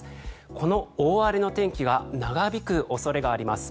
この大荒れの天気が長引く恐れがあります。